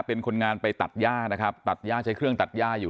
เป็นคนงานไปตัดย่านะครับตัดย่าใช้เครื่องตัดย่าอยู่